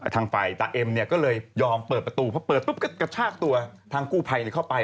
ทางฝ่ายตาเอ็มเนี่ยก็เลยยอมเปิดประตูเพราะเปิดปุ๊บก็กระชากตัวทางกู้ภัยเข้าไป